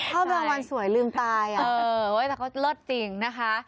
เข้ารางวัลสวยลืมตายอ่ะเออเว้ยแต่ก็เลิศจริงนะคะ